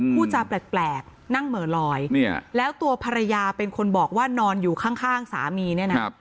พูดจาแปลกนั่งเหม่อลอยแล้วตัวภรรยาเป็นคนบอกว่านอนอยู่ข้างสามีเนี่ยนะ